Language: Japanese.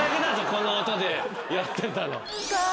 この音でやってたの。